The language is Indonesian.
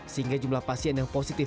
sehingga jumlah pasien yang positif